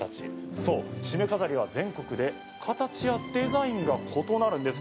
そう、しめ飾りは全国で形やデザインが異なるんです。